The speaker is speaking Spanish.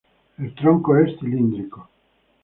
El tronco es cilíndrico.